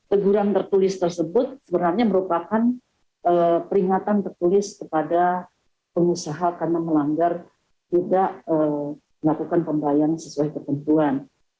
jadi teguran tertulis tersebut sebenarnya merupakan peringatan tertulis kepada pengusaha karena melanggar tidak melakukan pembayaran sesuai ketentuan